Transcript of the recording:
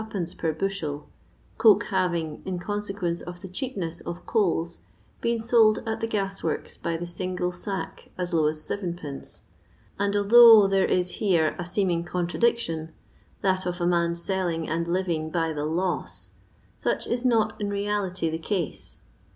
per bushel, coke having, in consequence of the cheapness of coals, been sold at the gas worki by the single sack as low as 7(£., and although there is here a teeming contradiction — that of a man selling and living by the loss — such is not in reality the case.